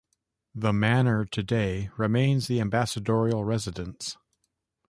The manor today remains the ambassadorial residence.